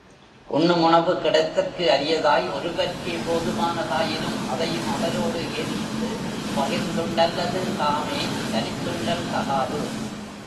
உண்ணும் உணவு கிடைத்தற்கு அரியதாய், ஒருவர்க்கே போதுமானதாயினும், அதையும், அவரோடு இருந்து பகிர்ந்துண்டலல்லது, தாமே தனித்துண்டல் தகாது.